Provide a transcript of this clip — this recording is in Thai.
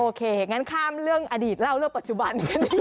งั้นข้ามเรื่องอดีตเล่าเรื่องปัจจุบัน